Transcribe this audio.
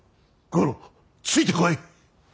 五郎ついてこい。